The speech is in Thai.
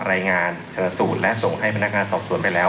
รายงานชนสูตรและส่งให้พนักงานสอบสวนไปแล้ว